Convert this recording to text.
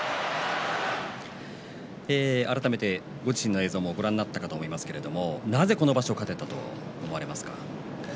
改めてご自身の映像をご覧になったかと思いますがなぜこの場所を勝てたと思われますか。